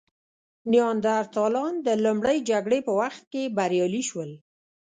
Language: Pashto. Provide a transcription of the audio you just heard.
نیاندرتالان د لومړۍ جګړې په وخت کې بریالي شول.